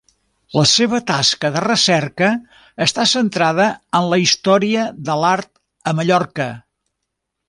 La seva tasca de recerca està centrada en la història de l'art a Mallorca.